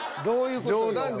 どういうこと？